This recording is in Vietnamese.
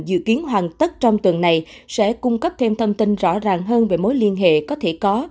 dự kiến hoàn tất trong tuần này sẽ cung cấp thêm thông tin rõ ràng hơn về mối liên hệ có thể có